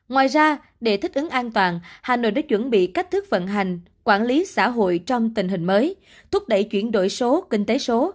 ngoài ra để thích ứng an toàn hà nội đã chuẩn bị cách thức vận hành quản lý xã hội trong tình hình mới thúc đẩy chuyển đổi số kinh tế số